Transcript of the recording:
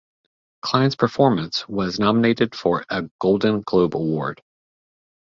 Kline's performance was nominated for a Golden Globe Award.